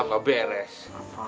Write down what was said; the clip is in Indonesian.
geschrieben pasarvpyao gain